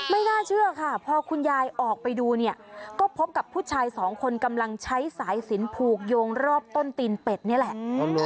ไม่น่าเชื่อค่ะพอคุณยายออกไปดูเนี่ยก็พบกับผู้ชายสองคนกำลังใช้สายสินผูกโยงรอบต้นตีนเป็ดนี่แหละ